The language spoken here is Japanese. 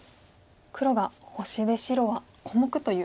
黒が星で白は小目という。